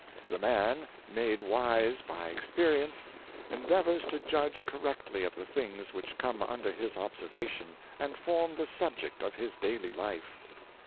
The man made wise by experience endeavors to judge correctly of the things which come under his observa tion, and form the subject of his daily life.